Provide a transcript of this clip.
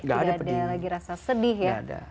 tidak ada lagi rasa sedih ya